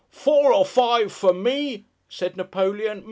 'Four or five for me!' said Napoleon.